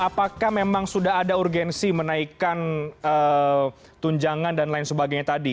apakah memang sudah ada urgensi menaikkan tunjangan dan lain sebagainya tadi